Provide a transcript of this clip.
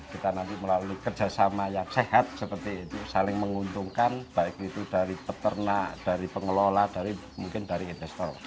kita nanti melalui kerjasama yang sehat seperti itu saling menguntungkan baik itu dari peternak dari pengelola dari mungkin dari investor